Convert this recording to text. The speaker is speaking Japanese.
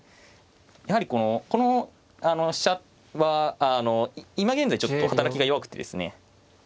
やはりこの飛車は今現在ちょっと働きが弱くてですね